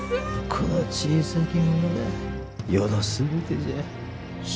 この小さき者が余の全てじゃ。